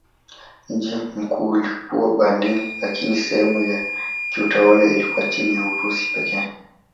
Mji mkuu ulikuwa Berlin lakini sehemu ya kiutawala iliyokuwa chini ya Urusi pekee.